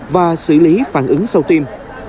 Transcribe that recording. và xử lý phản ứng sau tiêm